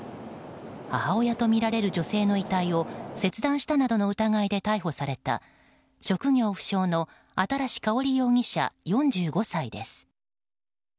母親とみられる女性の遺体を切断したなどの疑いで逮捕された職業不詳の新かほり容疑者、４５歳です。